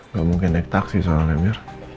gak ada apa apa mir